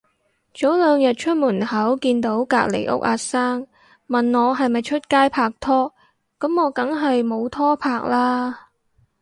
早兩日出門口見到隔離屋阿生，問我係咪出街拍拖，噉我梗係冇拖拍啦